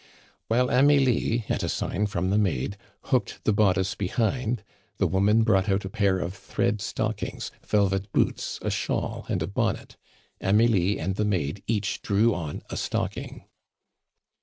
While Amelie, at a sign from the maid, hooked the bodice behind, the woman brought out a pair of thread stockings, velvet boots, a shawl, and a bonnet. Amelie and the maid each drew on a stocking.